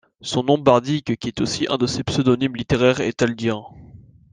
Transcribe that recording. Son nom bardique qui est aussi un de ses pseudonymes littéraires est Taldir.